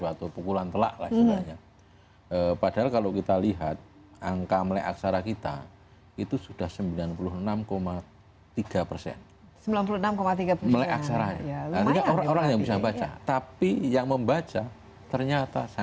atau buta huruf ya